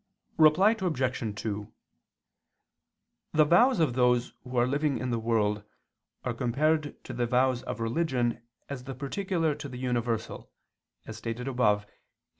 Reply Obj. 2: The vows of those who are living in the world are compared to the vows of religion as the particular to the universal, as stated above (Q.